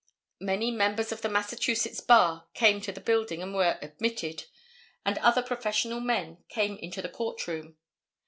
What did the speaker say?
Many members of the Massachusetts bar came to the building and were admitted, and other professional men came into the court room.